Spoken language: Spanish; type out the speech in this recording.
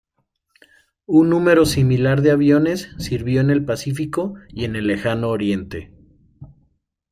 Un número similar de aviones sirvió en el Pacífico y en el Lejano Oriente.